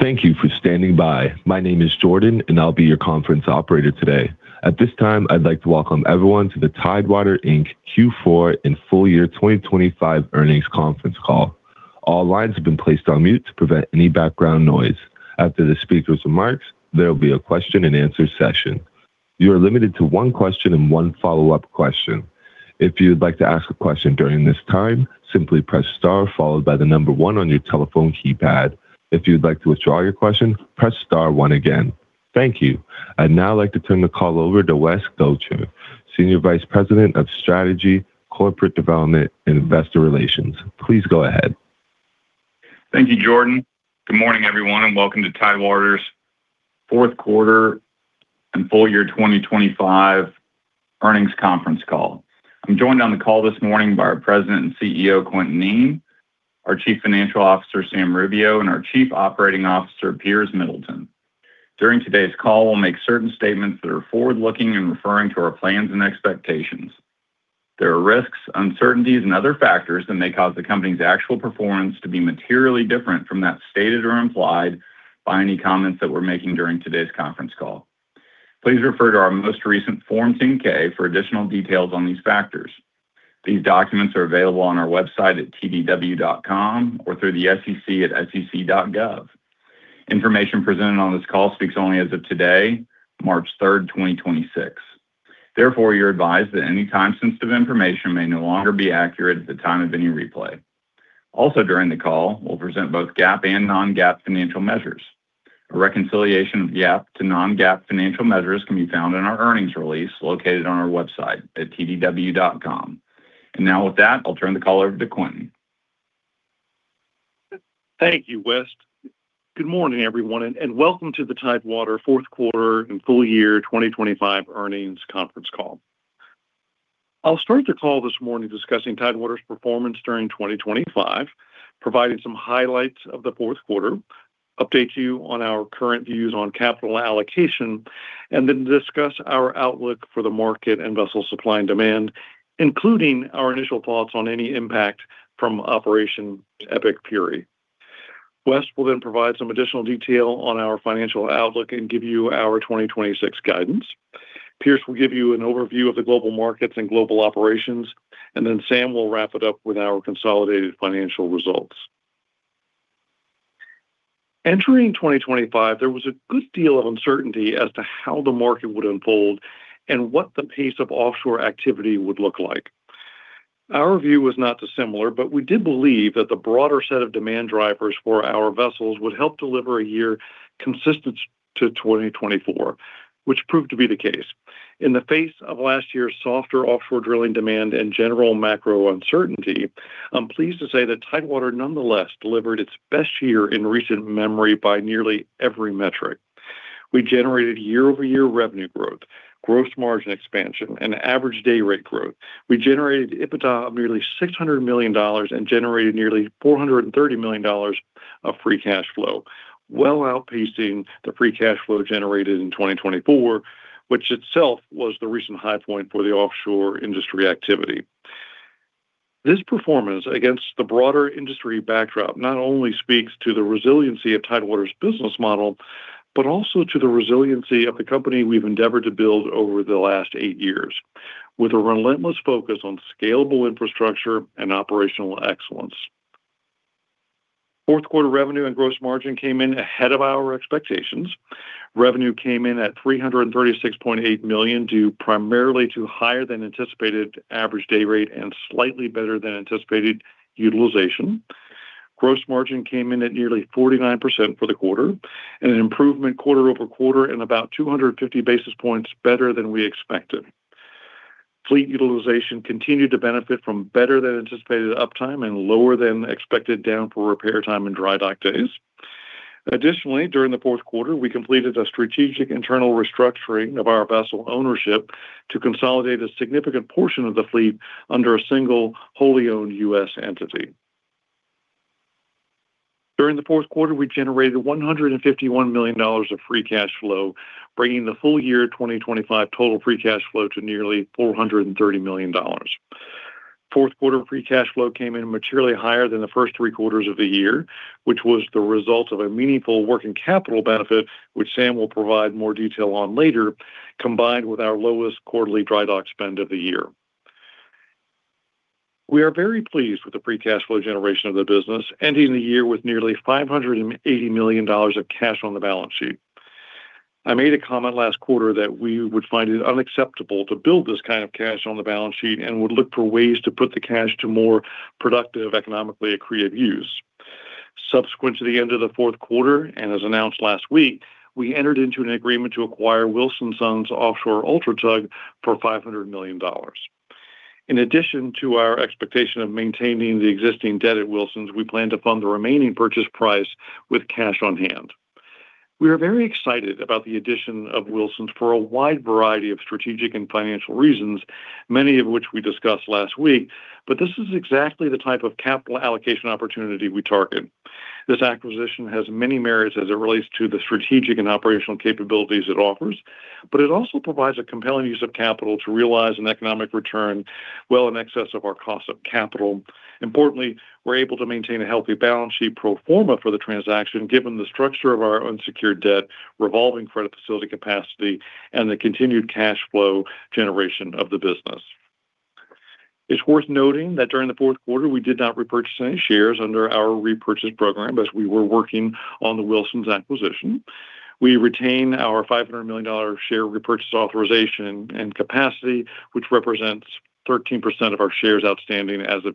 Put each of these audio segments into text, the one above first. Thank you for standing by. My name is Jordan, and I'll be your conference operator today. At this time, I'd like to welcome everyone to the Tidewater Inc. Q4 and full year 2025 earnings conference call. All lines have been placed on mute to prevent any background noise. After the speaker's remarks, there will be a question-and-answer session. You are limited to one question and one follow-up question. If you'd like to ask a question during this time, simply press star followed by the number one on your telephone keypad. If you'd like to withdraw your question, press star one again. Thank you. I'd now like to turn the call over to West Gotcher, Senior Vice President of Strategy, Corporate Development, and Investor Relations. Please go ahead. Thank you, Jordan. Good morning, everyone, and welcome to Tidewater's fourth quarter and full year 2025 earnings conference call. I'm joined on the call this morning by our President and CEO, Quintin Kneen, our Chief Financial Officer, Sam Rubio, and our Chief Operating Officer, Piers Middleton. During today's call, we'll make certain statements that are forward-looking in referring to our plans and expectations. There are risks, uncertainties, and other factors that may cause the company's actual performance to be materially different from that stated or implied by any comments that we're making during today's conference call. Please refer to our most recent Form 10-K for additional details on these factors. These documents are available on our website at tdw.com or through the SEC at sec.gov. Information presented on this call speaks only as of today, March 3rd, 2026. Therefore, you're advised that any time-sensitive information may no longer be accurate at the time of any replay. Also during the call, we'll present both GAAP and non-GAAP financial measures. A reconciliation of GAAP to non-GAAP financial measures can be found in our earnings release located on our website at tdw.com. Now with that, I'll turn the call over to Quintin. Thank you, West. Good morning, everyone, and welcome to the Tidewater fourth quarter and full year 2025 earnings conference call. I'll start the call this morning discussing Tidewater's performance during 2025, providing some highlights of the fourth quarter, update you on our current views on capital allocation, then discuss our outlook for the market and vessel supply and demand, including our initial thoughts on any impact from Operation Prosperity Guardian. West will then provide some additional detail on our financial outlook and give you our 2026 guidance. Piers will give you an overview of the global markets and global operations, then Sam will wrap it up with our consolidated financial results. Entering 2025, there was a good deal of uncertainty as to how the market would unfold and what the pace of offshore activity would look like. Our view was not dissimilar, but we did believe that the broader set of demand drivers for our vessels would help deliver a year consistent to 2024, which proved to be the case. In the face of last year's softer offshore drilling demand and general macro uncertainty, I'm pleased to say that Tidewater nonetheless delivered its best year in recent memory by nearly every metric. We generated year-over-year revenue growth, gross margin expansion, and average day rate growth. We generated EBITDA of nearly $600 million and generated nearly $430 million of free cash flow, well outpacing the free cash flow generated in 2024, which itself was the recent high point for the offshore industry activity. This performance against the broader industry backdrop not only speaks to the resiliency of Tidewater's business model, but also to the resiliency of the company we've endeavored to build over the last eight years with a relentless focus on scalable infrastructure and operational excellence. Fourth quarter revenue and gross margin came in ahead of our expectations. Revenue came in at $336.8 million, due primarily to higher than anticipated average day rate and slightly better than anticipated utilization. Gross margin came in at nearly 49% for the quarter and an improvement quarter-over-quarter and about 250 basis points better than we expected. Fleet utilization continued to benefit from better than anticipated uptime and lower than expected down for repair time and dry dock days. Additionally, during the fourth quarter, we completed a strategic internal restructuring of our vessel ownership to consolidate a significant portion of the fleet under a single wholly owned U.S. entity. During the fourth quarter, we generated $151 million of free cash flow, bringing the full year 2025 total free cash flow to nearly $430 million. Fourth quarter free cash flow came in materially higher than the first three quarters of the year, which was the result of a meaningful working capital benefit, which Sam will provide more detail on later, combined with our lowest quarterly dry dock spend of the year. We are very pleased with the free cash flow generation of the business, ending the year with nearly $580 million of cash on the balance sheet. I made a comment last quarter that we would find it unacceptable to build this kind of cash on the balance sheet and would look for ways to put the cash to more productive, economically accretive use. Subsequent to the end of the fourth quarter, and as announced last week, we entered into an agreement to acquire Wilson Sons UltraTug Offshore for $500 million. In addition to our expectation of maintaining the existing debt at Wilson's, we plan to fund the remaining purchase price with cash on hand. We are very excited about the addition of Wilson's for a wide variety of strategic and financial reasons, many of which we discussed last week, but this is exactly the type of capital allocation opportunity we target. This acquisition has many merits as it relates to the strategic and operational capabilities it offers. It also provides a compelling use of capital to realize an economic return well in excess of our cost of capital. Importantly, we're able to maintain a healthy balance sheet pro forma for the transaction, given the structure of our unsecured debt, revolving credit facility capacity, and the continued cash flow generation of the business. It's worth noting that during the fourth quarter, we did not repurchase any shares under our repurchase program as we were working on the Wilson's acquisition. We retain our $500 million share repurchase authorization and capacity, which represents 13% of our shares outstanding as of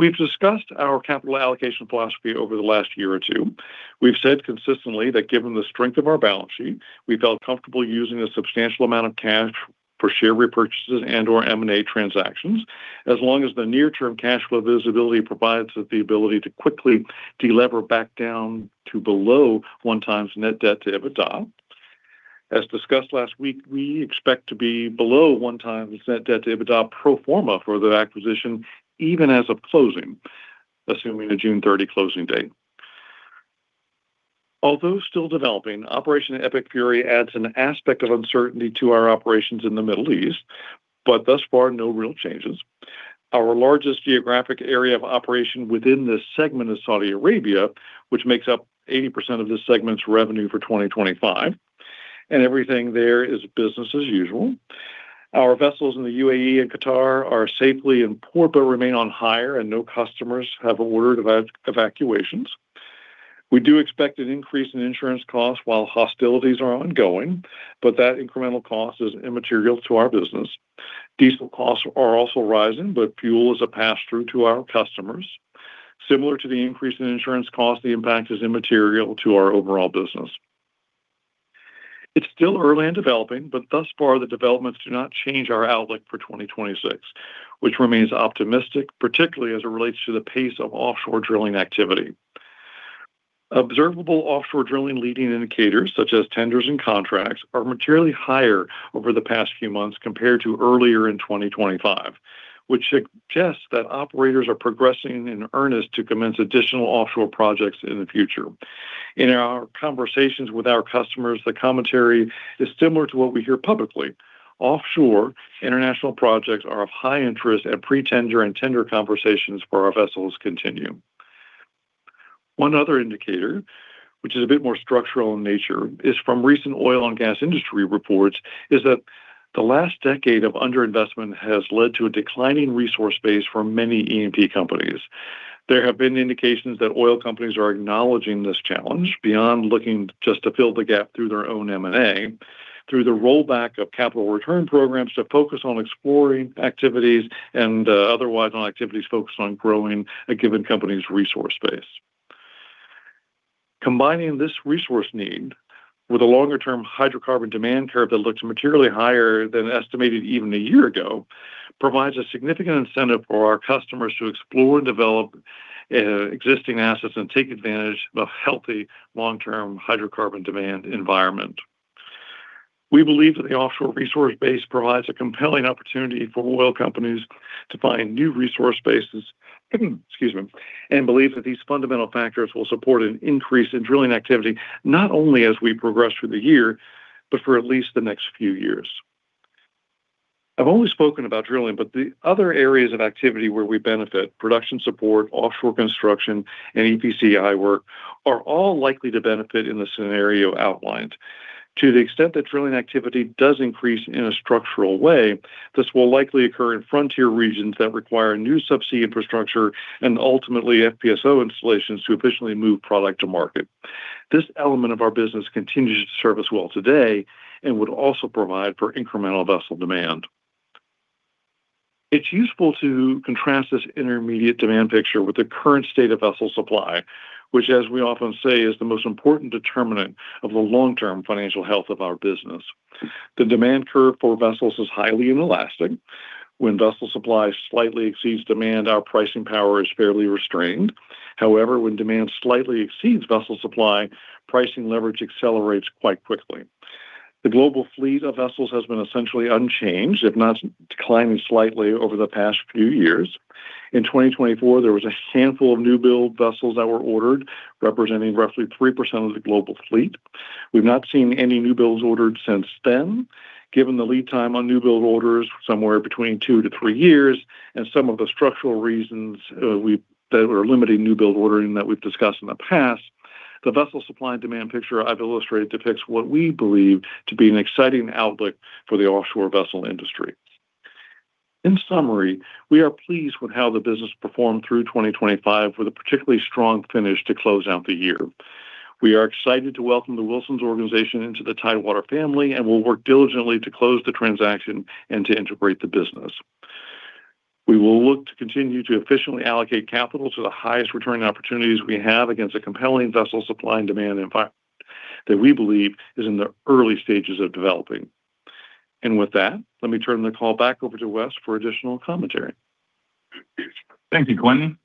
yesterday's close. We've discussed our capital allocation philosophy over the last year or two. We've said consistently that given the strength of our balance sheet, we felt comfortable using a substantial amount of cash for share repurchases and/or M&A transactions as long as the near-term cash flow visibility provides the ability to quickly delever back down to below 1 time net debt to EBITDA. As discussed last week, we expect to be below one time net debt to EBITDA pro forma for the acquisition, even as of closing, assuming a June 30 closing date. Although still developing, Operation Prosperity Guardian adds an aspect of uncertainty to our operations in the Middle East, but thus far, no real changes. Our largest geographic area of operation within this segment is Saudi Arabia, which makes up 80% of this segment's revenue for 2025, and everything there is business as usual. Our vessels in the UAE and Qatar are safely in port but remain on hire, no customers have ordered evacuations. We do expect an increase in insurance costs while hostilities are ongoing, that incremental cost is immaterial to our business. Diesel costs are also rising, fuel is a pass-through to our customers. Similar to the increase in insurance costs, the impact is immaterial to our overall business. It's still early in developing, thus far, the developments do not change our outlook for 2026, which remains optimistic, particularly as it relates to the pace of offshore drilling activity. Observable offshore drilling leading indicators such as tenders and contracts are materially higher over the past few months compared to earlier in 2025, which suggests that operators are progressing in earnest to commence additional offshore projects in the future. In our conversations with our customers, the commentary is similar to what we hear publicly. Offshore international projects are of high interest, and pre-tender and tender conversations for our vessels continue. One other indicator, which is a bit more structural in nature, is from recent oil and gas industry reports, is that the last decade of underinvestment has led to a declining resource base for many E&P companies. There have been indications that oil companies are acknowledging this challenge beyond looking just to fill the gap through their own M&A, through the rollback of capital return programs to focus on exploring activities and otherwise on activities focused on growing a given company's resource base. Combining this resource need with a longer-term hydrocarbon demand curve that looks materially higher than estimated even a year ago provides a significant incentive for our customers to explore and develop existing assets and take advantage of a healthy long-term hydrocarbon demand environment. We believe that the offshore resource base provides a compelling opportunity for oil companies to find new resource bases, excuse me, and believe that these fundamental factors will support an increase in drilling activity, not only as we progress through the year, but for at least the next few years. I've only spoken about drilling, but the other areas of activity where we benefit, production support, offshore construction, and EPCI work, are all likely to benefit in the scenario outlined. To the extent that drilling activity does increase in a structural way, this will likely occur in frontier regions that require new sub-sea infrastructure and ultimately FPSO installations to efficiently move product to market. This element of our business continues to serve us well today and would also provide for incremental vessel demand. It's useful to contrast this intermediate demand picture with the current state of vessel supply, which, as we often say, is the most important determinant of the long-term financial health of our business. The demand curve for vessels is highly inelastic. When vessel supply slightly exceeds demand, our pricing power is fairly restrained. However, when demand slightly exceeds vessel supply, pricing leverage accelerates quite quickly. The global fleet of vessels has been essentially unchanged, if not declining slightly over the past few years. In 2024, there was a handful of new build vessels that were ordered, representing roughly 3% of the global fleet. We've not seen any new builds ordered since then. Given the lead time on new build orders, somewhere between 2-3 years, and some of the structural reasons that are limiting new build ordering that we've discussed in the past, the vessel supply and demand picture I've illustrated depicts what we believe to be an exciting outlook for the offshore vessel industry. In summary, we are pleased with how the business performed through 2025 with a particularly strong finish to close out the year. We are excited to welcome the Wilson's organization into the Tidewater family and will work diligently to close the transaction and to integrate the business. We will look to continue to efficiently allocate capital to the highest return opportunities we have against a compelling vessel supply and demand environment that we believe is in the early stages of developing. With that, let me turn the call back over to Wes for additional commentary. Thank you, Quintin.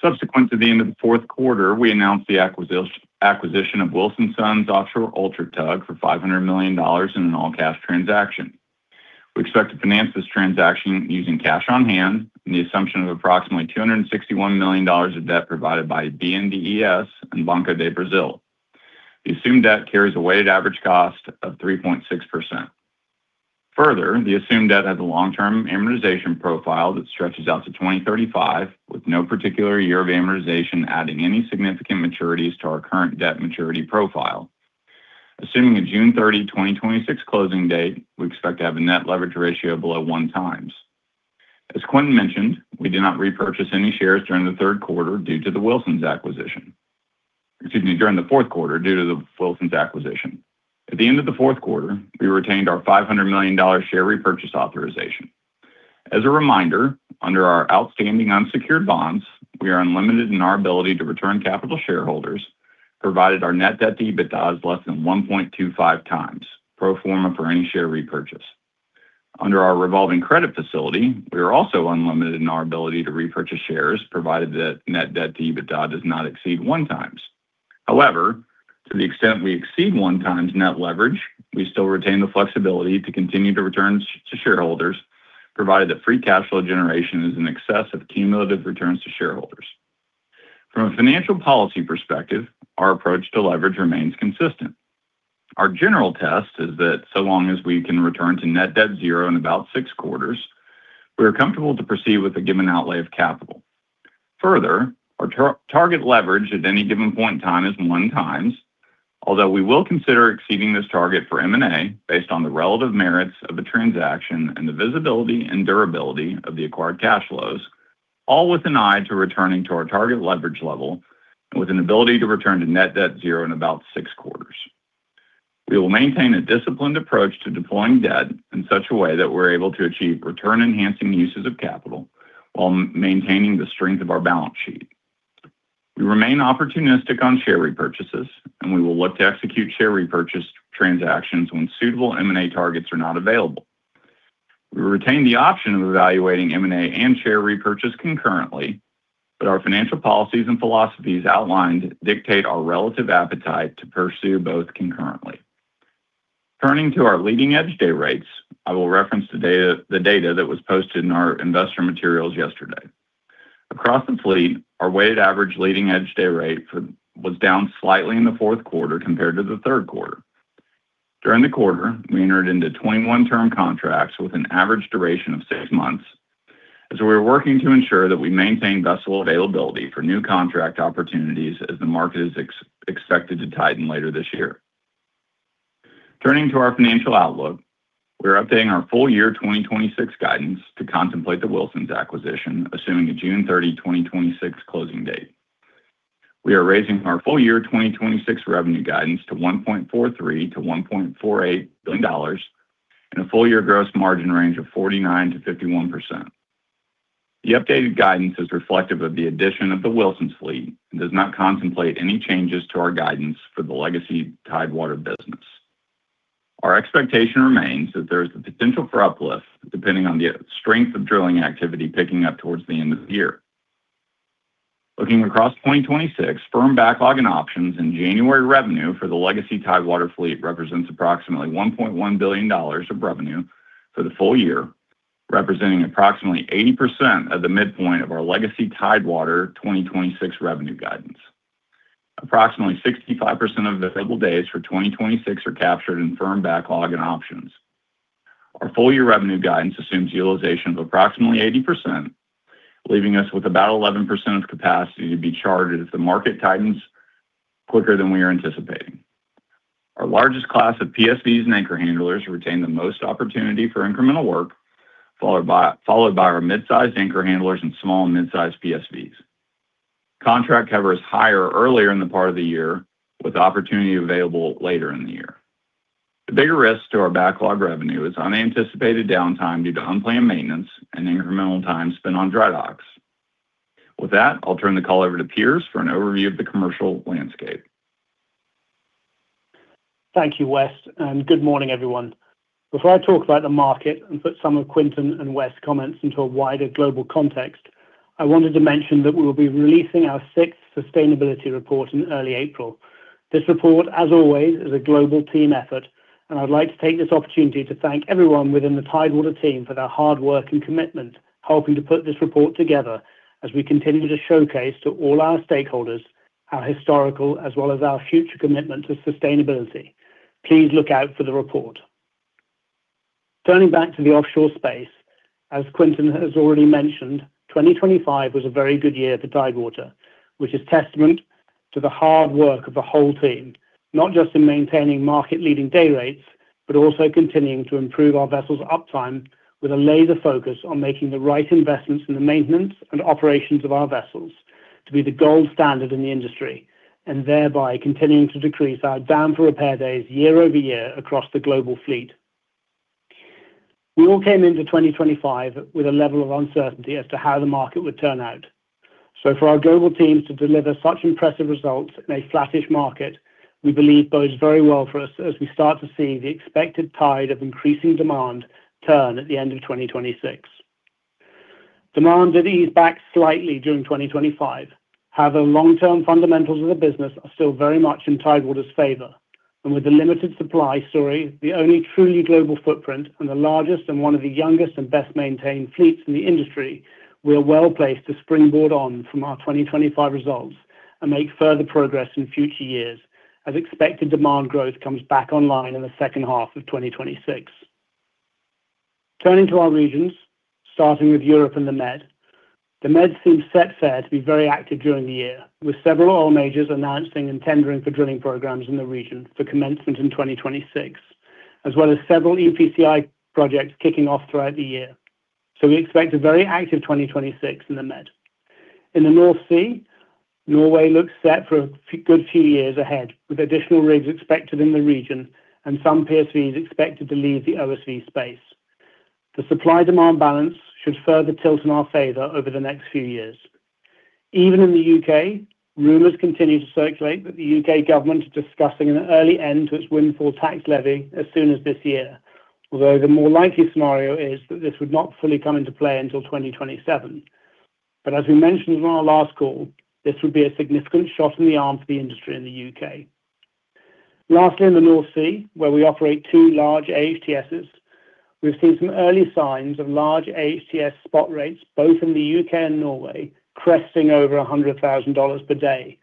Subsequent to the end of the fourth quarter, we announced the acquisition of Wilson Sons UltraTug Offshore for $500 million in an all-cash transaction. We expect to finance this transaction using cash on hand and the assumption of approximately $261 million of debt provided by BNDES and Banco do Brasil. The assumed debt carries a weighted average cost of 3.6%. Further, the assumed debt has a long-term amortization profile that stretches out to 2035, with no particular year of amortization adding any significant maturities to our current debt maturity profile. Assuming a June 30, 2026 closing date, we expect to have a net leverage ratio below 1x. As Quintin mentioned, we did not repurchase any shares during the third quarter due to the Wilson's acquisition. Excuse me, during the fourth quarter due to the Wilson's acquisition. At the end of the fourth quarter, we retained our $500 million share repurchase authorization. As a reminder, under our outstanding unsecured bonds, we are unlimited in our ability to return capital shareholders, provided our net debt to EBITDA is less than 1.25x pro forma for any share repurchase. Under our revolving credit facility, we are also unlimited in our ability to repurchase shares, provided that net debt to EBITDA does not exceed 1x. However, to the extent we exceed 1x net leverage, we still retain the flexibility to continue to return to shareholders, provided that free cash flow generation is in excess of cumulative returns to shareholders. From a financial policy perspective, our approach to leverage remains consistent. Our general test is that so long as we can return to net debt zero in about six quarters, we are comfortable to proceed with a given outlay of capital. Further, our target leverage at any given point in time is one times, although we will consider exceeding this target for M&A based on the relative merits of a transaction and the visibility and durability of the acquired cash flows, all with an eye to returning to our target leverage level and with an ability to return to net debt zero in about six quarters. We will maintain a disciplined approach to deploying debt in such a way that we're able to achieve return-enhancing uses of capital while maintaining the strength of our balance sheet. We remain opportunistic on share repurchases, and we will look to execute share repurchase transactions when suitable M&A targets are not available. We retain the option of evaluating M&A and share repurchase concurrently, our financial policies and philosophies outlined dictate our relative appetite to pursue both concurrently. Turning to our leading-edge day rates, I will reference the data that was posted in our investor materials yesterday. Across the fleet, our weighted average leading-edge day rate was down slightly in the fourth quarter compared to the third quarter. During the quarter, we entered into 21-term contracts with an average duration of 6 months as we were working to ensure that we maintain vessel availability for new contract opportunities as the market is expected to tighten later this year. Turning to our financial outlook, we're updating our full year 2026 guidance to contemplate the Wilson's acquisition, assuming a June 30, 2026 closing date. We are raising our full year 2026 revenue guidance to $1.43 billion-$1.48 billion and a full year gross margin range of 49%-51%. The updated guidance is reflective of the addition of the Wilson fleet and does not contemplate any changes to our guidance for the legacy Tidewater business. Our expectation remains that there is the potential for uplift depending on the strength of drilling activity picking up towards the end of the year. Looking across 2026, firm backlog and options in January revenue for the legacy Tidewater fleet represents approximately $1.1 billion of revenue for the full year, representing approximately 80% of the midpoint of our legacy Tidewater 2026 revenue guidance. Approximately 65% of the available days for 2026 are captured in firm backlog and options. Our full year revenue guidance assumes utilization of approximately 80%, leaving us with about 11% of capacity to be charted if the market tightens quicker than we are anticipating. Our largest class of PSVs and anchor handlers retain the most opportunity for incremental work, followed by our mid-sized anchor handlers and small and mid-sized PSVs. Contract cover is higher earlier in the part of the year, with opportunity available later in the year. The bigger risk to our backlog revenue is unanticipated downtime due to unplanned maintenance and incremental time spent on dry docks. With that, I'll turn the call over to Piers for an overview of the commercial landscape. Thank you, West. Good morning, everyone. Before I talk about the market and put some of Quintin and West's comments into a wider global context, I wanted to mention that we will be releasing our sixth sustainability report in early April. This report, as always, is a global team effort. I'd like to take this opportunity to thank everyone within the Tidewater team for their hard work and commitment helping to put this report together as we continue to showcase to all our stakeholders our historical as well as our future commitment to sustainability. Please look out for the report. Turning back to the offshore space, as Quintin has already mentioned, 2025 was a very good year for Tidewater, which is testament to the hard work of the whole team, not just in maintaining market-leading day rates, but also continuing to improve our vessels' uptime with a laser focus on making the right investments in the maintenance and operations of our vessels to be the gold standard in the industry, and thereby continuing to decrease our down for repair days year-over-year across the global fleet. We all came into 2025 with a level of uncertainty as to how the market would turn out. For our global teams to deliver such impressive results in a flattish market, we believe bodes very well for us as we start to see the expected tide of increasing demand turn at the end of 2026. Demand did ease back slightly during 2025. However, the long-term fundamentals of the business are still very much in Tidewater's favor. With the limited supply story, the only truly global footprint and the largest and one of the youngest and best-maintained fleets in the industry, we are well-placed to springboard on from our 2025 results and make further progress in future years as expected demand growth comes back online in the second half of 2026. Turning to our regions, starting with Europe and the Med. The Med seems set fair to be very active during the year, with several oil majors announcing and tendering for drilling programs in the region for commencement in 2026, as well as several EPCI projects kicking off throughout the year. We expect a very active 2026 in the Med. In the North Sea, Norway looks set for a good few years ahead, with additional rigs expected in the region and some PSVs expected to leave the OSV space. The supply-demand balance should further tilt in our favor over the next few years. Even in the U.K., rumors continue to circulate that the U.K. government is discussing an early end to its Energy Profits Levy as soon as this year, although the more likely scenario is that this would not fully come into play until 2027. As we mentioned on our last call, this would be a significant shot in the arm for the industry in the U.K.. Lastly, in the North Sea, where we operate two large AHTS, we've seen some early signs of large AHTS spot rates, both in the U.K. and Norway, cresting over $100,000 per day.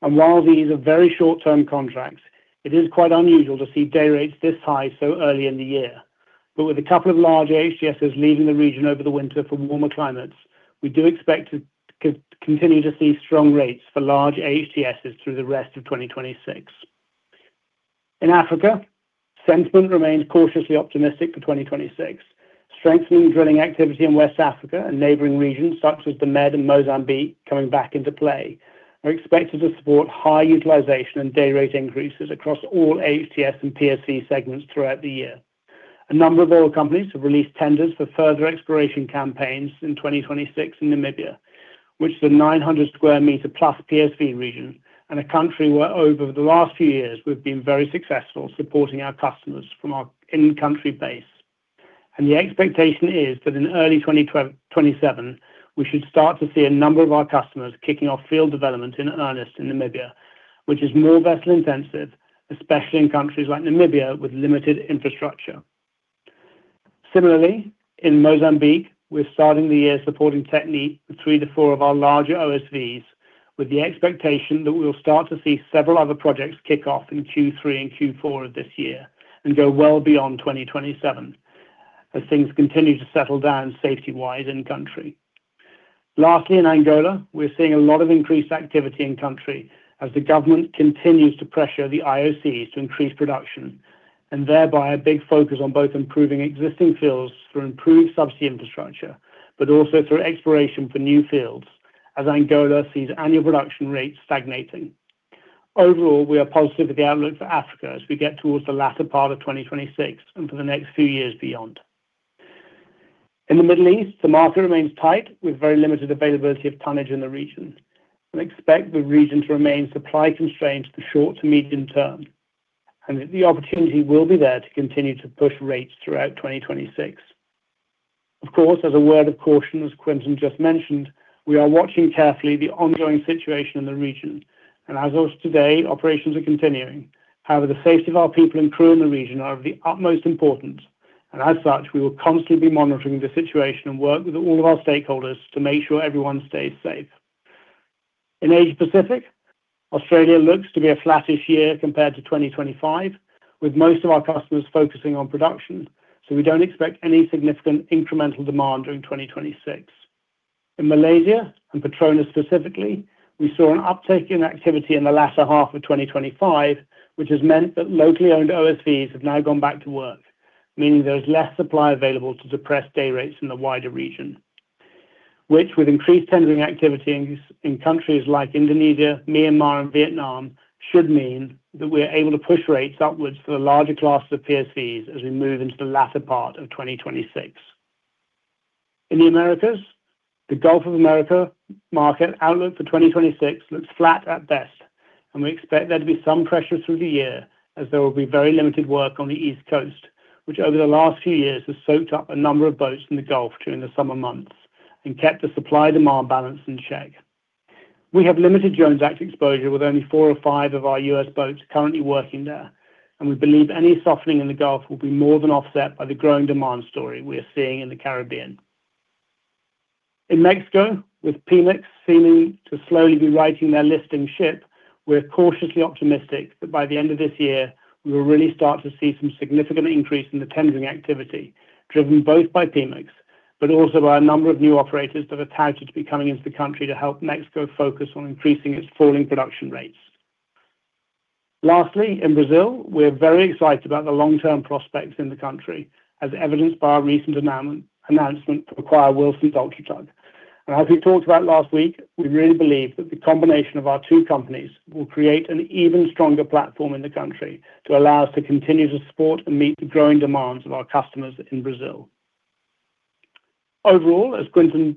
While these are very short-term contracts, it is quite unusual to see day rates this high so early in the year. With a couple of large AHTS leaving the region over the winter for warmer climates, we do expect to continue to see strong rates for large AHTS through the rest of 2026. In Africa, sentiment remains cautiously optimistic for 2026. Strengthening drilling activity in West Africa and neighboring regions such as the Med and Mozambique coming back into play, are expected to support high utilization and day rate increases across all AHTS and PSV segments throughout the year. A number of oil companies have released tenders for further exploration campaigns in 2026 in Namibia, which is a 900 sq m plus PSV region and a country where over the last few years we've been very successful supporting our customers from our in-country base. The expectation is that in early 2027, we should start to see a number of our customers kicking off field development in earnest in Namibia, which is more vessel intensive, especially in countries like Namibia with limited infrastructure. Similarly, in Mozambique, we're starting the year supporting Technip with three to four of our larger OSVs, with the expectation that we will start to see several other projects kick off in Q3 and Q4 of this year and go well beyond 2027 as things continue to settle down safety-wide in country. In Angola, we're seeing a lot of increased activity in country as the government continues to pressure the IOCs to increase production and thereby a big focus on both improving existing fields through improved subsea infrastructure, but also through exploration for new fields as Angola sees annual production rates stagnating. We are positive of the outlook for Africa as we get towards the latter part of 2026 and for the next few years beyond. In the Middle East, the market remains tight with very limited availability of tonnage in the region and expect the region to remain supply constrained for the short to medium term, and the opportunity will be there to continue to push rates throughout 2026. Of course, as a word of caution, as Quintin just mentioned, we are watching carefully the ongoing situation in the region. As of today, operations are continuing. However, the safety of our people and crew in the region are of the utmost importance, and as such, we will constantly be monitoring the situation and work with all of our stakeholders to make sure everyone stays safe. In Asia Pacific, Australia looks to be a flattish year compared to 2025, with most of our customers focusing on production, so we don't expect any significant incremental demand during 2026. In Malaysia, Petronas specifically, we saw an uptake in activity in the latter half of 2025, which has meant that locally owned OSVs have now gone back to work, meaning there is less supply available to depress day rates in the wider region. With increased tendering activity in countries like Indonesia, Myanmar and Vietnam should mean that we are able to push rates upwards for the larger classes of PSVs as we move into the latter part of 2026. In the Americas, the Gulf of Mexico market outlook for 2026 looks flat at best. We expect there to be some pressure through the year as there will be very limited work on the East Coast, which over the last few years has soaked up a number of boats in the Gulf during the summer months and kept the supply-demand balance in check. We have limited Jones Act exposure with only four or five of our U.S. boats currently working there. We believe any softening in the Gulf will be more than offset by the growing demand story we are seeing in the Caribbean. In Mexico, with Pemex seeming to slowly be righting their listing ship, we're cautiously optimistic that by the end of this year, we will really start to see some significant increase in the tendering activity driven both by Pemex, but also by a number of new operators that are touted to be coming into the country to help Mexico focus on increasing its falling production rates. Lastly, in Brazil, we're very excited about the long-term prospects in the country, as evidenced by our recent announcement to acquire Wilson UltraTug. As we talked about last week, we really believe that the combination of our two companies will create an even stronger platform in the country to allow us to continue to support and meet the growing demands of our customers in Brazil. Overall, as Quintin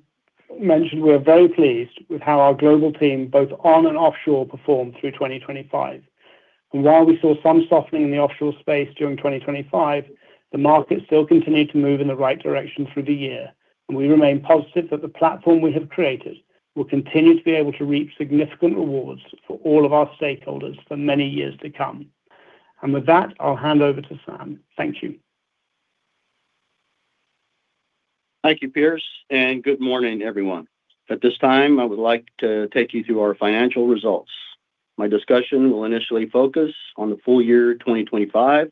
mentioned, we are very pleased with how our global team, both on and offshore, performed through 2025. While we saw some softening in the offshore space during 2025, the market still continued to move in the right direction through the year. We remain positive that the platform we have created will continue to be able to reap significant rewards for all of our stakeholders for many years to come. With that, I'll hand over to Sam. Thank you. Thank you, Piers, and good morning, everyone. At this time, I would like to take you through our financial results. My discussion will initially focus on the full year 2025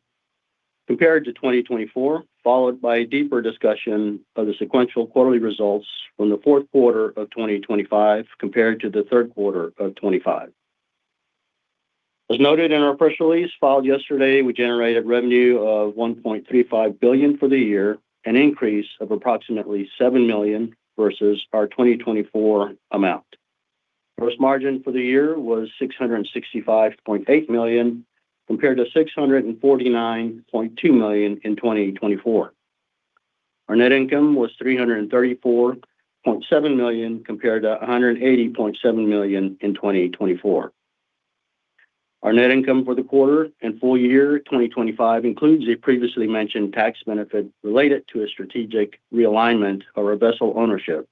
compared to 2024, followed by a deeper discussion of the sequential quarterly results from the fourth quarter of 2025 compared to the third quarter of 2025. As noted in our press release filed yesterday, we generated revenue of $1.35 billion for the year, an increase of approximately $7 million versus our 2024 amount. Gross margin for the year was $665.8 million compared to $649.2 million in 2024. Our net income was $334.7 million compared to $180.7 million in 2024. Our net income for the quarter and full year 2025 includes a previously mentioned tax benefit related to a strategic realignment of our vessel ownership.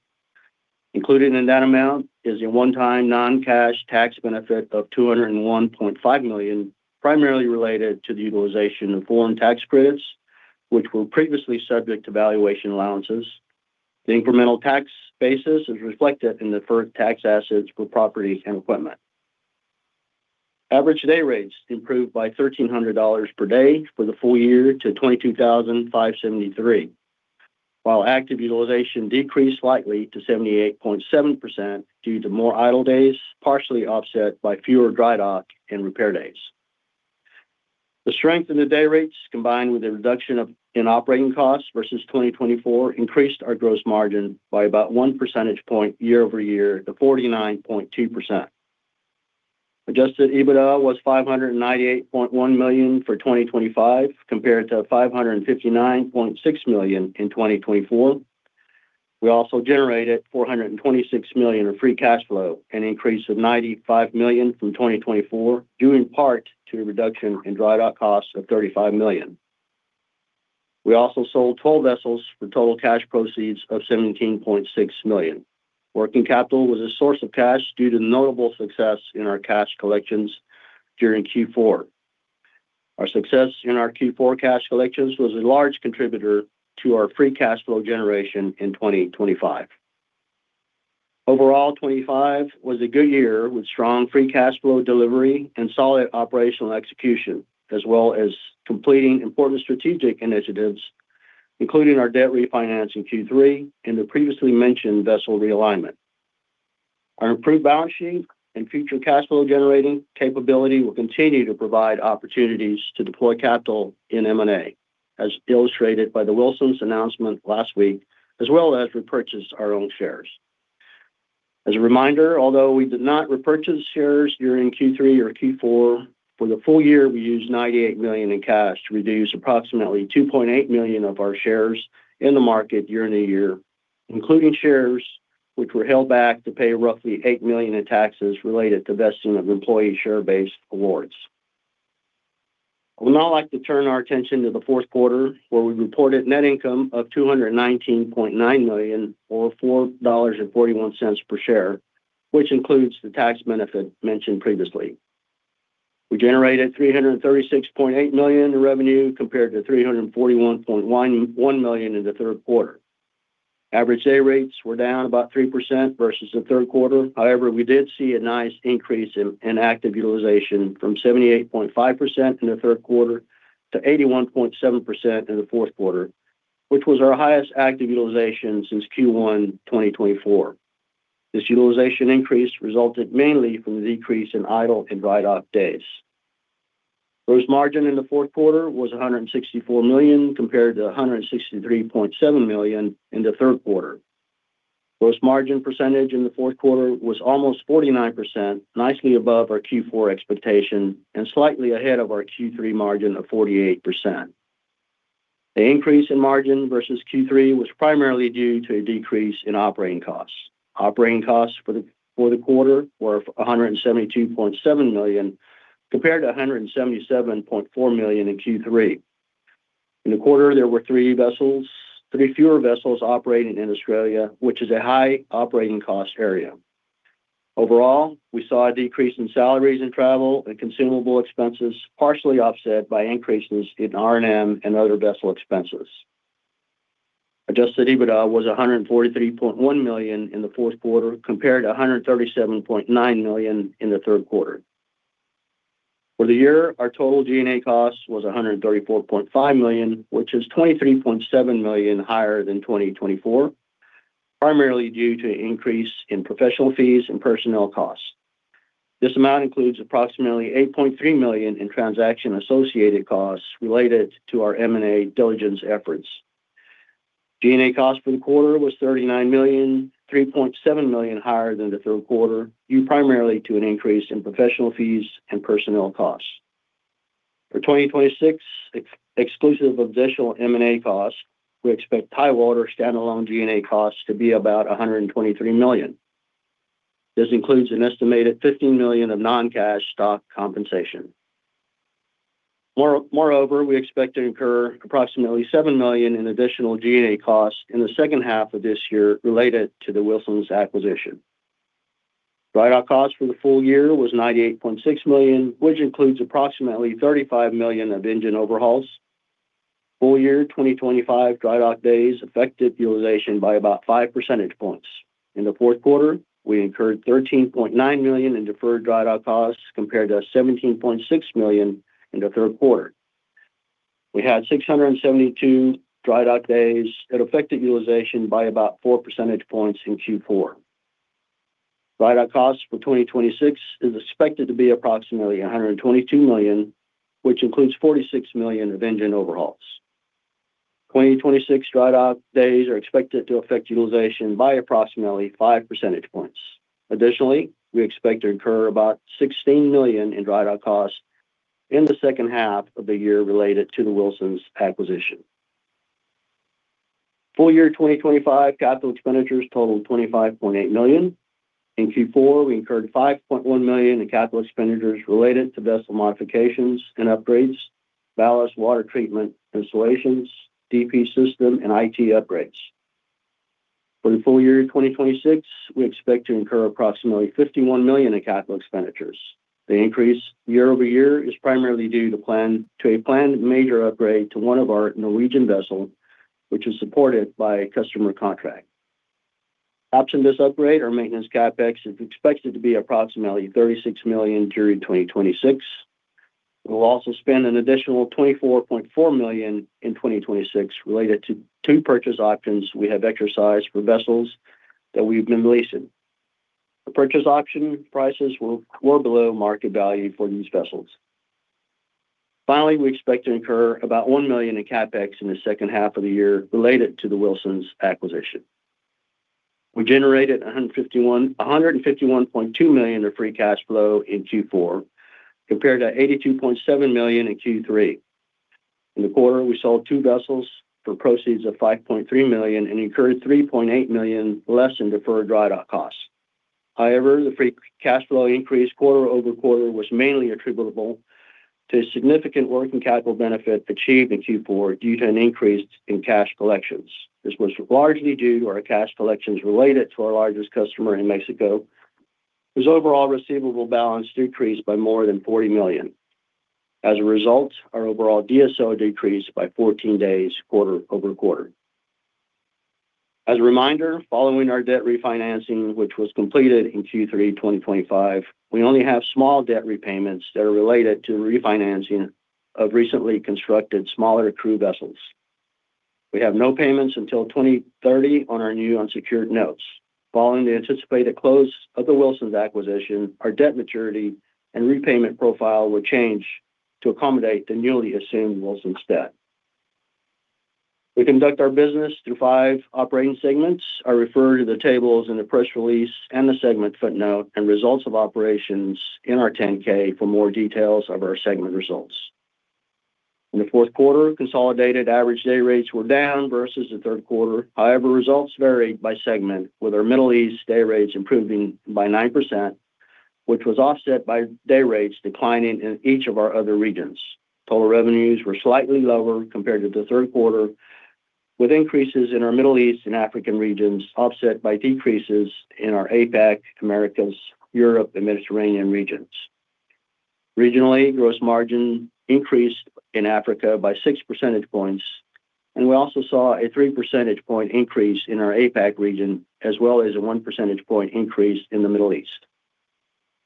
Included in that amount is a one-time non-cash tax benefit of $201.5 million, primarily related to the utilization of foreign tax credits, which were previously subject to valuation allowances. The incremental tax basis is reflected in deferred tax assets for property and equipment. Average day rates improved by $1,300 per day for the full year to $22,573, while active utilization decreased slightly to 78.7% due to more idle days, partially offset by fewer dry dock and repair days. The strength in the day rates, combined with a reduction in operating costs versus 2024, increased our gross margin by about one percentage point year-over-year to 49.2%. Adjusted EBITDA was $598.1 million for 2025 compared to $559.6 million in 2024. We also generated $426 million in free cash flow, an increase of $95 million from 2024, due in part to a reduction in dry dock costs of $35 million. We also sold 12 vessels for total cash proceeds of $17.6 million. Working capital was a source of cash due to notable success in our cash collections during Q4. Our success in our Q4 cash collections was a large contributor to our free cash flow generation in 2025. Overall, 2025 was a good year with strong free cash flow delivery and solid operational execution, as well as completing important strategic initiatives, including our debt refinance in Q3 and the previously mentioned vessel realignment. Our improved balance sheet and future cash flow generating capability will continue to provide opportunities to deploy capital in M&A, as illustrated by the Wilson's announcement last week, as well as repurchase our own shares. As a reminder, although we did not repurchase shares during Q3 or Q4, for the full year, we used $98 million in cash to reduce approximately $2.8 million of our shares in the market year-on-year, including shares which were held back to pay roughly $8 million in taxes related to vesting of employee share-based awards. I would now like to turn our attention to the fourth quarter, where we reported net income of $219.9 million, or $4.41 per share, which includes the tax benefit mentioned previously. We generated $336.8 million in revenue compared to $341.1 million in the third quarter. Average day rates were down about 3% versus the third quarter. However, we did see a nice increase in active utilization from 78.5% in the third quarter to 81.7% in the fourth quarter, which was our highest active utilization since Q1 2024. This utilization increase resulted mainly from the decrease in idle and write-off days. Gross margin in the fourth quarter was $164 million compared to $163.7 million in the third quarter. Gross margin percentage in the fourth quarter was almost 49%, nicely above our Q4 expectation and slightly ahead of our Q3 margin of 48%. The increase in margin versus Q3 was primarily due to a decrease in operating costs. Operating costs for the quarter were $172.7 million compared to $177.4 million in Q3. In the quarter, there were three fewer vessels operating in Australia, which is a high operating cost area. Overall, we saw a decrease in salaries and travel and consumable expenses partially offset by increases in R&M and other vessel expenses. Adjusted EBITDA was $143.1 million in the fourth quarter compared to $137.9 million in the third quarter. For the year, our total G&A cost was $134.5 million, which is $23.7 million higher than 2024, primarily due to an increase in professional fees and personnel costs. This amount includes approximately $8.3 million in transaction-associated costs related to our M&A diligence efforts. G&A cost for the quarter was $39 million, $3.7 million higher than the third quarter, due primarily to an increase in professional fees and personnel costs. For 2026, exclusive of additional M&A costs, we expect high water standalone G&A costs to be about $123 million. This includes an estimated $15 million of non-cash stock compensation. Moreover, we expect to incur approximately $7 million in additional G&A costs in the second half of this year related to the Wilson's acquisition. Drydock costs for the full year was $98.6 million, which includes approximately $35 million of engine overhauls. Full year 2025 drydock days affected utilization by about five percentage points. In the fourth quarter, we incurred $13.9 million in deferred drydock costs compared to $17.6 million in the third quarter. We had 672 drydock days that affected utilization by about four percentage points in Q4. Drydock costs for 2026 is expected to be approximately $122 million, which includes $46 million of engine overhauls. 2026 drydock days are expected to affect utilization by approximately five percentage points. Additionally, we expect to incur about $16 million in drydock costs in the second half of the year related to the Wilson's acquisition. Full year 2025 capital expenditures totaled $25.8 million. In Q4, we incurred $5.1 million in capital expenditures related to vessel modifications and upgrades, ballast water treatment installations, DP system, and IT upgrades. For the full year 2026, we expect to incur approximately $51 million in capital expenditures. The increase year-over-year is primarily due to a planned major upgrade to one of our Norwegian vessels, which is supported by a customer contract. This upgrade or maintenance CapEx is expected to be approximately $36 million during 2026. We will also spend an additional $24.4 million in 2026 related to two purchase options we have exercised for vessels that we've been leasing. The purchase option prices were below market value for these vessels. Finally, we expect to incur about $1 million in CapEx in the second half of the year related to the Wilson's acquisition. We generated $151.2 million of free cash flow in Q4 compared to $82.7 million in Q3. In the quarter, we sold two vessels for proceeds of $5.3 million and incurred $3.8 million less in deferred dry dock costs. However, the free cash flow increase quarter-over-quarter was mainly attributable to significant working capital benefit achieved in Q4 due to an increase in cash collections. This was largely due to our cash collections related to our largest customer in Mexico, whose overall receivable balance decreased by more than $40 million. As a result, our overall DSO decreased by 14 days quarter-over-quarter. As a reminder, following our debt refinancing, which was completed in Q3 2025, we only have small debt repayments that are related to refinancing of recently constructed smaller crew vessels. We have no payments until 2030 on our new unsecured notes. Following the anticipated close of the Wilson's acquisition, our debt maturity and repayment profile will change to accommodate the newly assumed Wilson's debt. We conduct our business through five operating segments. I refer to the tables in the press release and the segment footnote and results of operations in our 10-K for more details of our segment results. In the fourth quarter, consolidated average day rates were down versus the third quarter. However, results varied by segment, with our Middle East day rates improving by 9%, which was offset by day rates declining in each of our other regions. Total revenues were slightly lower compared to the third quarter, with increases in our Middle East and African regions offset by decreases in our APAC, Americas, Europe, and Mediterranean regions. Regionally, gross margin increased in Africa by six percentage points. We also saw a three percentage point increase in our APAC region, as well as a one percentage point increase in the Middle East.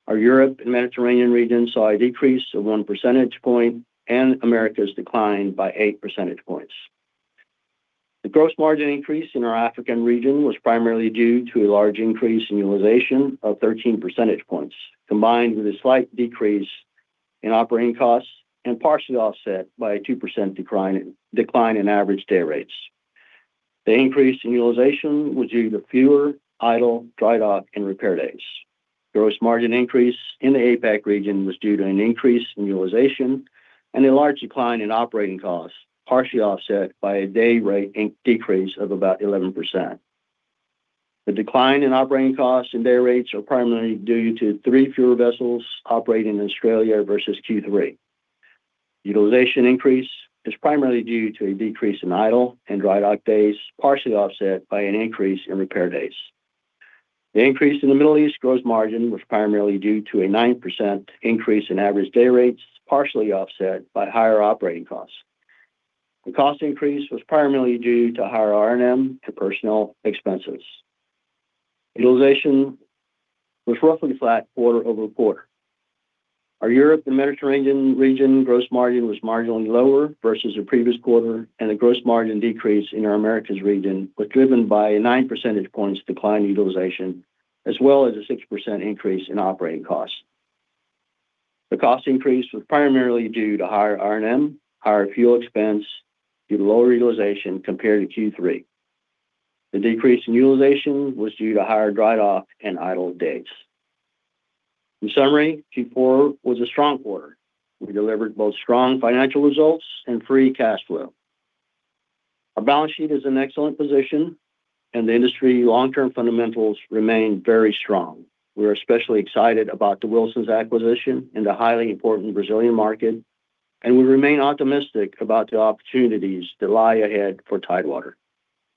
Our Europe and Mediterranean region saw a decrease of one percentage point. Americas declined by eight percentage points. The gross margin increase in our African region was primarily due to a large increase in utilization of 13 percentage points, combined with a slight decrease in operating costs and partially offset by a 2% decline in average day rates. The increase in utilization was due to fewer idle, drydock, and repair days. Gross margin increase in the APAC region was due to an increase in utilization and a large decline in operating costs, partially offset by a day rate decrease of about 11%. The decline in operating costs and day rates are primarily due to three fewer vessels operating in Australia versus Q3. Utilization increase is primarily due to a decrease in idle and drydock days, partially offset by an increase in repair days. The increase in the Middle East gross margin was primarily due to a 9% increase in average day rates, partially offset by higher operating costs. The cost increase was primarily due to higher R&M to personal expenses. Utilization was roughly flat quarter-over-quarter. Our Europe and Mediterranean region gross margin was marginally lower versus the previous quarter, and the gross margin decrease in our Americas region was driven by a nine percentage points decline in utilization, as well as a 6% increase in operating costs. The cost increase was primarily due to higher R&M, higher fuel expense due to lower utilization compared to Q3. The decrease in utilization was due to higher dried off and idle days. In summary, Q4 was a strong quarter. We delivered both strong financial results and free cash flow. Our balance sheet is in excellent position and the industry long-term fundamentals remain very strong. We are especially excited about the Wilson's acquisition in the highly important Brazilian market, and we remain optimistic about the opportunities that lie ahead for Tidewater.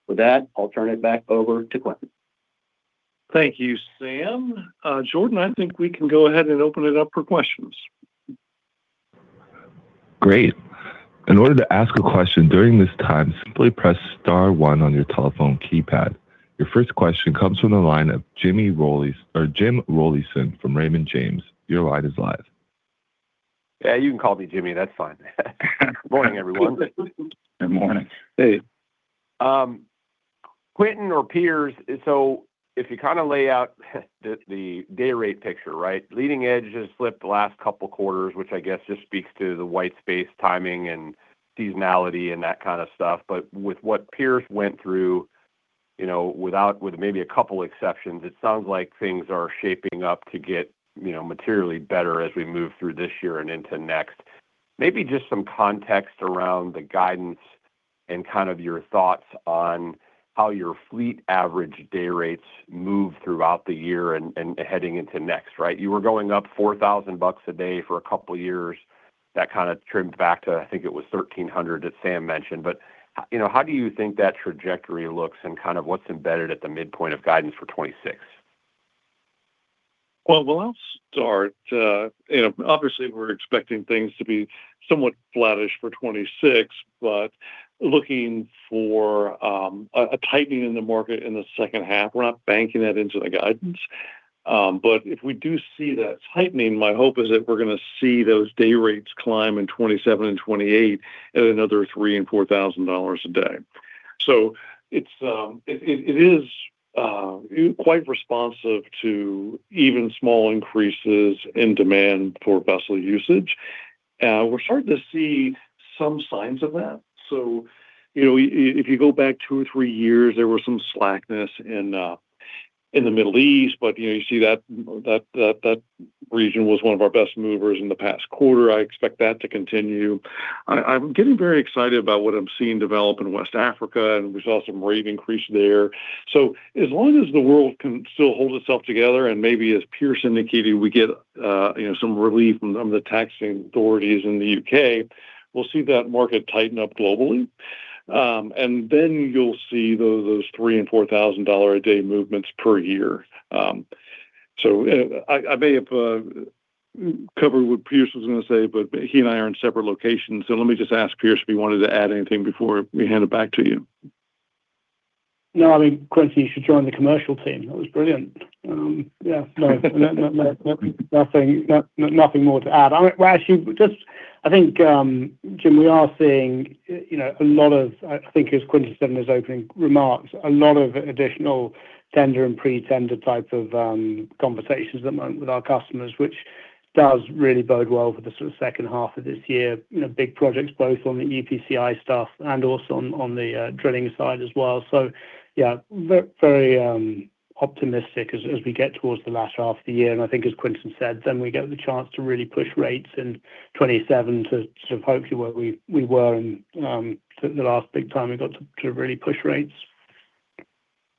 With that, I'll turn it back over to Quintin. Thank you, Sam. Jordan, I think we can go ahead and open it up for questions. Great. In order to ask a question during this time, simply press star one on your telephone keypad. Your first question comes from the line of James Rollyson or Jim Rollison from Raymond James. Your line is live. You can call me Jimmy. That's fine. Good morning, everyone. Good morning. Hey. Quintin or Piers, if you kinda lay out the day rate picture, right? Leading edge has slipped the last couple quarters, which I guess just speaks to the white space timing and seasonality and that kind of stuff. With what Piers went through, you know, with maybe a couple exceptions, it sounds like things are shaping up to get, you know, materially better as we move through this year and into next. Maybe just some context around the guidance and kind of your thoughts on how your fleet average day rates move throughout the year and heading into next, right? You were going up $4,000 a day for a couple years. That kind of trimmed back to, I think it was $1,300 that Sam mentioned. You know, how do you think that trajectory looks and kind of what's embedded at the midpoint of guidance for 2026? I'll start. You know, obviously we're expecting things to be somewhat flattish for 2026, looking for a tightening in the market in the second half. We're not banking that into the guidance, but if we do see that tightening, my hope is that we're gonna see those day rates climb in 2027 and 2028 at another $3,000-$4,000 a day. It is quite responsive to even small increases in demand for vessel usage. We're starting to see some signs of that. You know, if you go back two or three years, there was some slackness in the Middle East. You know, you see that region was one of our best movers in the past quarter. I expect that to continue. I'm getting very excited about what I'm seeing develop in West Africa. We saw some rate increase there. As long as the world can still hold itself together, and maybe as Piers indicated, we get, you know, some relief from the taxing authorities in the U.K., we'll see that market tighten up globally. You'll see those $3,000-$4,000 a day movements per year. I may have covered what Piers was gonna say, but he and I are in separate locations, so let me just ask Piers if he wanted to add anything before we hand it back to you. No, I mean, Quintin, you should join the commercial team. That was brilliant. Yeah, no. Nothing more to add. Actually, just I think, Jim, we are seeing, you know, a lot of, I think as Quintin said in his opening remarks, a lot of additional tender and pre-tender type of conversations at the moment with our customers, which does really bode well for the sort of second half of this year. You know, big projects both on the EPCI stuff and also on the drilling side as well. Yeah, very optimistic as we get towards the latter half of the year. I think as Quintin said, we get the chance to really push rates in 2027 to hopefully where we were in the last big time we got to really push rates.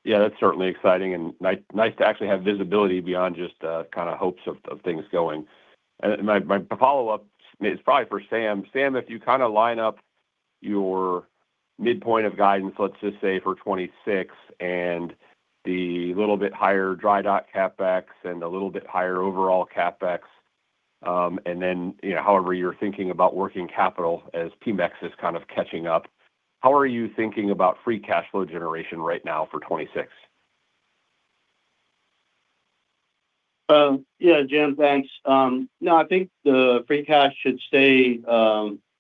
Yeah, that's certainly exciting and nice to actually have visibility beyond just kind of hopes of things going. My, my follow-up is probably for Sam. Sam, if you kinda line up your midpoint of guidance, let's just say for 2026 and the little bit higher dry dock CapEx and a little bit higher overall CapEx, and then, you know, however you're thinking about working capital as Pemex is kind of catching up, how are you thinking about free cash flow generation right now for 2026? Yeah, Jim, thanks. No, I think the free cash should stay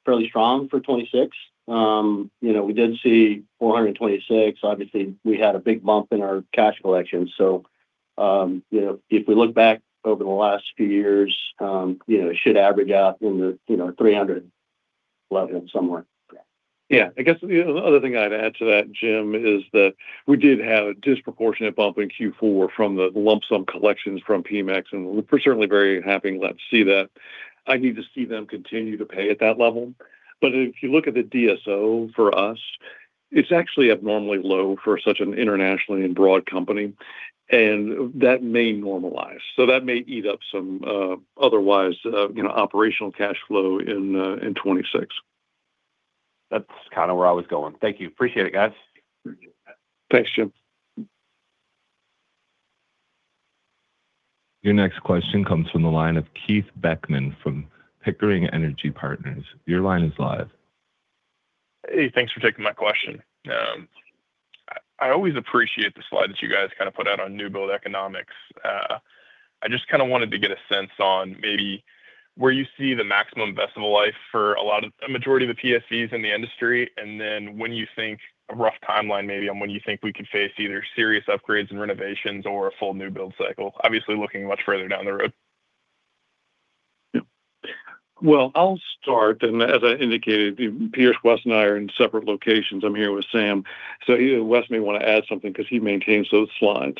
fairly strong for 2026. You know, we did see $426. Obviously, we had a big bump in our cash collection. You know, if we look back over the last few years, you know, it should average out in the, you know, $300 level somewhere. Yeah. I guess the other thing I'd add to that, Jim, is that we did have a disproportionate bump in Q4 from the lump sum collections from Pemex, and we're certainly very happy and glad to see that. I need to see them continue to pay at that level. If you look at the DSO for us, it's actually abnormally low for such an internationally and broad company, and that may normalize. That may eat up some, otherwise, you know, operational cash flow in 2026. That's kinda where I was going. Thank you. Appreciate it, guys. Thanks, Jim. Your next question comes from the line of Keith Beckmann from Pickering Energy Partners. Your line is live. Hey, thanks for taking my question. I always appreciate the slide that you guys kind of put out on new build economics. I just kinda wanted to get a sense on maybe where you see the maximum vessel life for a majority of the PSVs in the industry, and then when you think a rough timeline maybe on when you think we could face either serious upgrades and renovations or a full new build cycle. Obviously, looking much further down the road. I'll start, as I indicated, Piers, Wes, and I are in separate locations. I'm here with Sam. Wes may want to add something because he maintains those slides.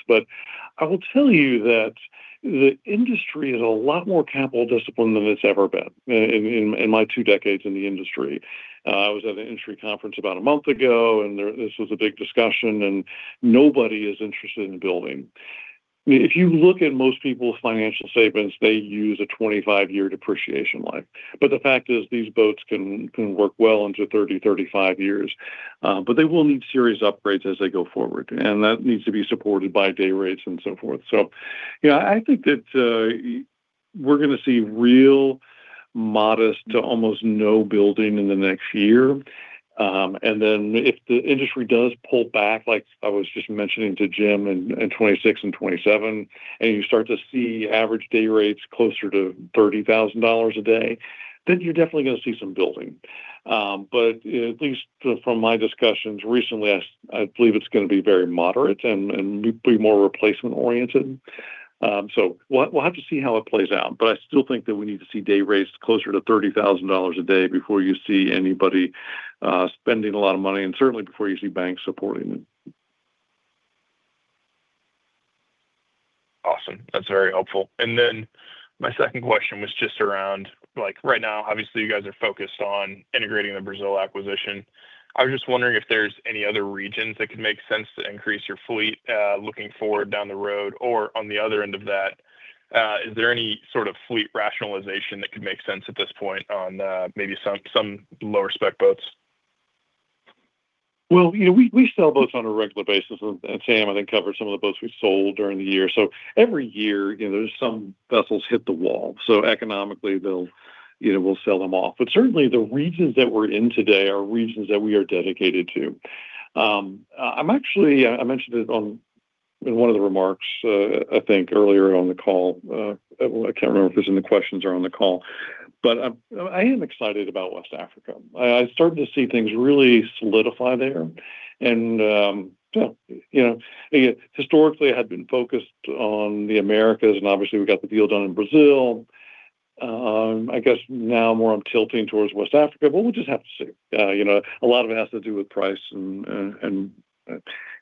I will tell you that the industry is a lot more capital disciplined than it's ever been in my two decades in the industry. I was at an industry conference about one month ago, and there this was a big discussion, and nobody is interested in building. I mean, if you look at most people's financial statements, they use a 25-year depreciation life. The fact is these boats can work well into 30-35 years, but they will need serious upgrades as they go forward. That needs to be supported by day rates and so forth. You know, I think that we're gonna see real modest to almost no building in the next year. If the industry does pull back, like I was just mentioning to Jim in 2026 and 2027, and you start to see average day rates closer to $30,000 a day, then you're definitely gonna see some building. At least from my discussions recently, I believe it's gonna be very moderate and be more replacement oriented. We'll have to see how it plays out. I still think that we need to see day rates closer to $30,000 a day before you see anybody spending a lot of money and certainly before you see banks supporting it. Awesome. That's very helpful. My second question was just around, like, right now, obviously, you guys are focused on integrating the Brazil acquisition. I was just wondering if there's any other regions that can make sense to increase your fleet looking forward down the road. On the other end of that, is there any sort of fleet rationalization that could make sense at this point on maybe some lower spec boats? Well, you know, we sell boats on a regular basis. Sam, I think, covered some of the boats we sold during the year. Every year, you know, there's some vessels hit the wall. Economically, they'll, you know, we'll sell them off. Certainly the regions that we're in today are regions that we are dedicated to. I'm actually, I mentioned it on one of the remarks, I think earlier on the call, I can't remember if it was in the questions or on the call, but I am excited about West Africa. I started to see things really solidify there. You know, historically, I had been focused on the Americas, and obviously we got the deal done in Brazil. I guess now more I'm tilting towards West Africa, but we'll just have to see. You know, a lot of it has to do with price and, and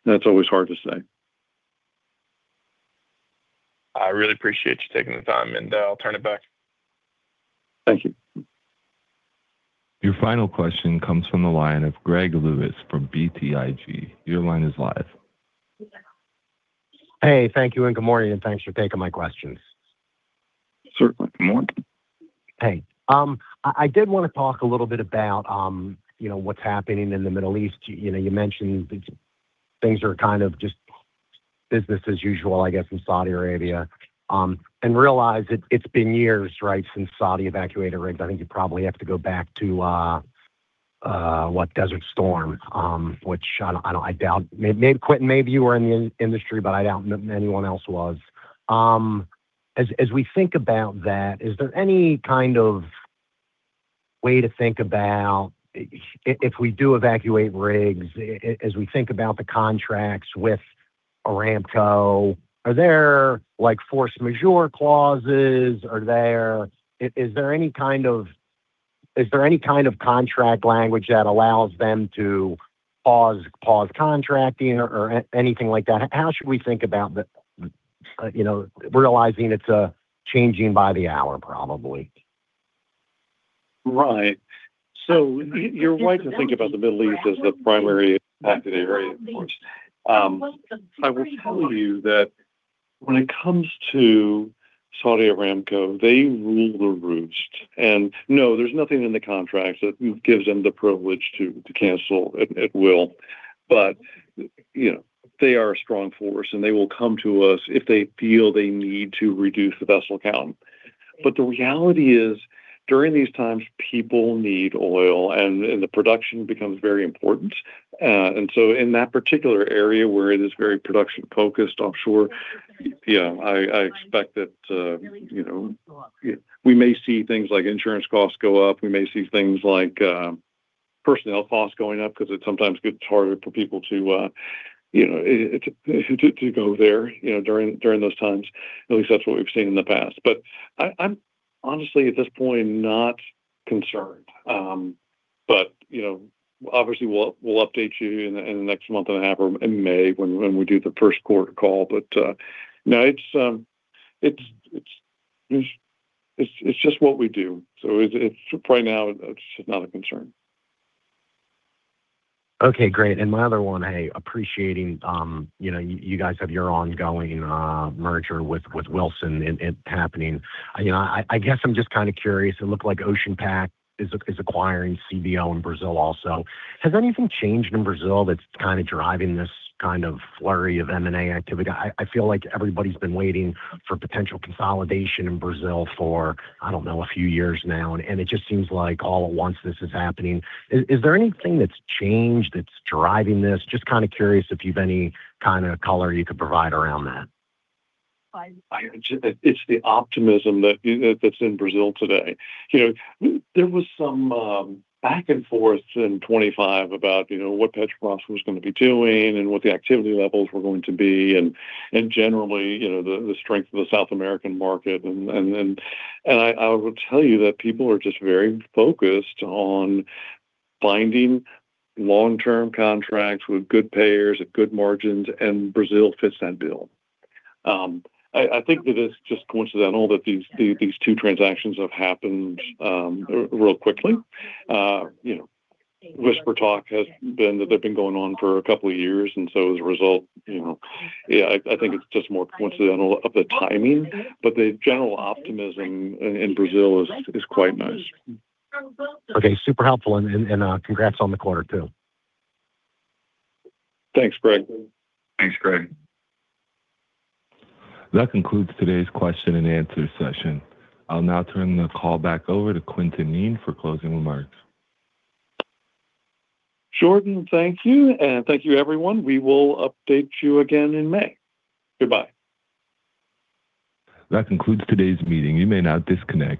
that's always hard to say. I really appreciate you taking the time, and I'll turn it back. Thank you. Your final question comes from the line of Greg Lewis from BTIG. Your line is live. Hey, thank you, and good morning, and thanks for taking my questions. Certainly. Good morning. Hey. I did wanna talk a little bit about, you know, what's happening in the Middle East. You know, you mentioned things are kind of just business as usual, I guess, in Saudi Arabia. Realize it's been years, right, since Saudi evacuated rigs. I think you probably have to go back to, what, Desert Storm, which I doubt... Maybe, Quintin, maybe you were in the industry, but I doubt anyone else was. As we think about that, is there any kind of way to think about if we do evacuate rigs, as we think about the contracts with Aramco, are there, like, force majeure clauses? Are there? Is there any kind of, is there any kind of contract language that allows them to pause contracting or anything like that? How should we think about the, you know, realizing it's changing by the hour probably? Right. You're right to think about the Middle East as the primary impacted area, of course. I will tell you that when it comes to Saudi Aramco, they rule the roost. No, there's nothing in the contract that gives them the privilege to cancel at will. You know, they are a strong force, and they will come to us if they feel they need to reduce the vessel count. The reality is, during these times, people need oil, and the production becomes very important. In that particular area where it is very production-focused offshore, you know, I expect that, you know, we may see things like insurance costs go up. We may see things like personnel costs going up because it sometimes gets harder for people to, you know, to go there, you know, during those times. At least that's what we've seen in the past. I'm honestly at this point not concerned. You know, obviously, we'll update you in the next month and a half or in May when we do the first quarter call. No, it's just what we do. It's right now, it's just not a concern. Okay, great. My other one, hey, appreciating, you know, you guys have your ongoing merger with Wilson and it happening. You know, I guess I'm just kinda curious. It looked like Ocean Pack is acquiring CBO in Brazil also. Has anything changed in Brazil that's kinda driving this kind of flurry of M&A activity? I feel like everybody's been waiting for potential consolidation in Brazil for, I don't know, a few years now, and it just seems like all at once this is happening. Is there anything that's changed that's driving this? Just kinda curious if you've any kinda color you could provide around that. It's the optimism that's in Brazil today. You know, there was some back and forth in 2025 about, you know, what Petrobras was gonna be doing and what the activity levels were going to be and generally, you know, the strength of the South American market. I will tell you that people are just very focused on finding long-term contracts with good payers at good margins, and Brazil fits that bill. I think that it's just coincidental that these two transactions have happened real quickly. You know, whisper talk has been that they've been going on for a couple of years, and so as a result, you know. Yeah, I think it's just more coincidental of the timing, but the general optimism in Brazil is quite nice. Okay. Super helpful. Congrats on the quarter too. Thanks, Greg. Thanks, Greg. That concludes today's question and answer session. I'll now turn the call back over to Quintin Kneen for closing remarks. Jordan, thank you. Thank you everyone. We will update you again in May. Goodbye. That concludes today's meeting. You may now disconnect.